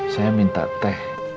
saya minta teh